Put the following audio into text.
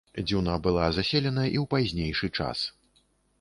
Дзюна была заселена і ў пазнейшы час.